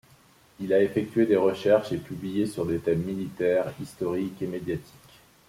Il a effectué des recherches et publié sur des thèmes militaires, historiques et médiatiques.